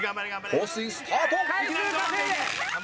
放水スタート